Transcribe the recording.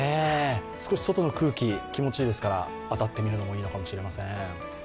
少し外の空気、気持ちいいですから、当たってみるのもいいかもしれません。